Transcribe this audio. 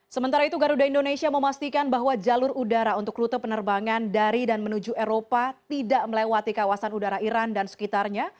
sementara itu garuda indonesia memastikan bahwa jalur udara untuk rute penerbangan dari dan menuju eropa tidak melewati kawasan udara iran dan sekitarnya